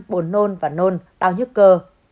buồn nôn và nôn đau nhức cơ